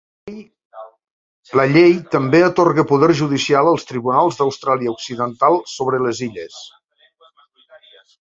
La llei també atorga poder judicial als tribunals d"Austràlia Occidental sobre les illes.